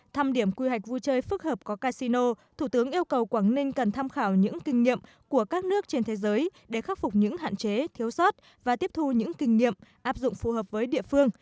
thăm điểm quy hạch vui chơi phức hợp có casino thủ tướng yêu cầu quảng ninh cần tham khảo những kinh nghiệm của các nước trên thế giới để khắc phục những hạn chế thiếu sót và tiếp thu những kinh nghiệm